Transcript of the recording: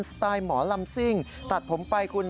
สไตล์หมอลำซิ่งตัดผมไปคุณ